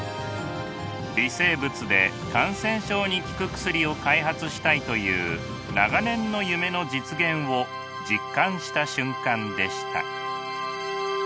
微生物で感染症に効く薬を開発したいという長年の夢の実現を実感した瞬間でした。